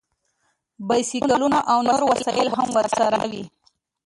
بایسکلونه او نور وسایل هم ورسره وي